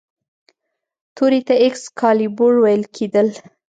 تورې ته ایکس کالیبور ویل کیدل.